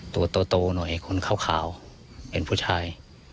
ตัวโตหน่อยคนขาวเห็นผู้ชาย